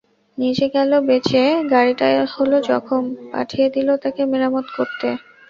নিজে গেল বেঁচে, গাড়িটা হল জখম, পাঠিয়ে দিল তাকে মেরামত করতে।